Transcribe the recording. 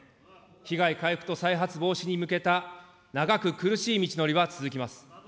被害回復と再発防止に向けた長く苦しい道のりは続きます。